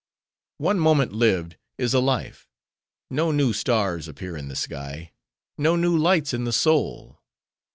One moment lived, is a life. No new stars appear in the sky; no new lights in the soul.